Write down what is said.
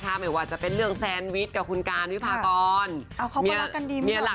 หมายความว่าจะเป็นเรื่องแซนวิชกับคนการนะข้า